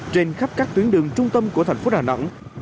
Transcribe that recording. trên khắp các tuyến đường trung tâm của thành phố đà nẵng